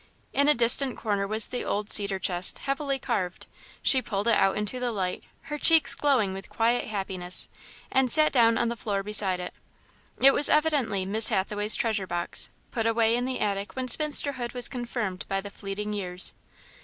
In a distant corner was the old cedar chest, heavily carved. She pulled it out into the light, her cheeks glowing with quiet happiness, and sat down on the floor beside it. It was evidently Miss Hathaway's treasure box, put away in the attic when spinsterhood was confirmed by the fleeting years.